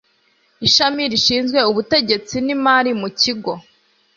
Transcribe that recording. ishami rishinzwe ubutegetsi n imari mu kigo